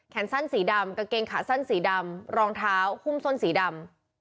สั้นสีดำกางเกงขาสั้นสีดำรองเท้าหุ้มส้นสีดำ